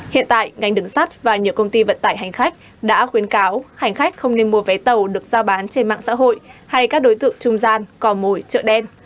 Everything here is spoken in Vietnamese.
hiện tại ngành đứng sắt và nhiều công ty vận tải hành khách đã khuyến cáo hành khách không nên mua vé tàu được giao bán trên mạng xã hội hay các đối tượng trung gian cò mồi chợ đen